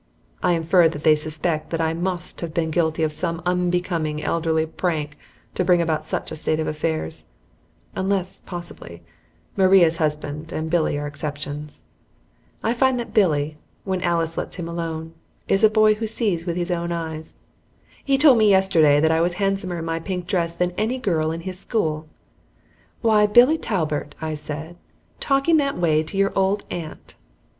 I infer that they suspect that I must have been guilty of some unbecoming elderly prank to bring about such a state of affairs, unless, possibly, Maria's husband and Billy are exceptions. I find that Billy, when Alice lets him alone, is a boy who sees with his own eyes. He told me yesterday that I was handsomer in my pink dress than any girl in his school. "Why, Billy Talbert!" I said, "talking that way to your old aunt!"